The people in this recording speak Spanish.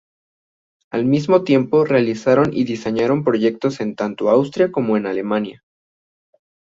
Al mismo tiempo realizaron y diseñaron proyectos en tanto Austria como en Alemania.